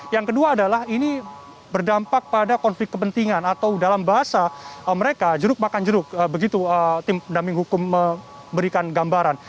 yang kedua adalah ini berdampak pada konflik kepentingan atau dalam bahasa mereka jeruk makan jeruk begitu tim pendamping hukum memberikan gambaran